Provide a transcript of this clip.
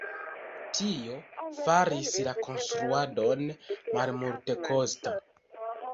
Tio faris la konstruadon malmultekosta.